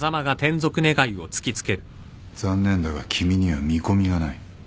残念だが君には見込みがない。